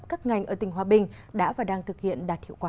các ngành ở tỉnh hòa bình đã và đang thực hiện đạt hiệu quả